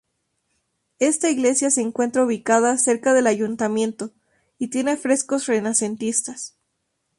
Esta iglesia se encuentra ubicada cerca del ayuntamiento y tiene frescos renacentistas.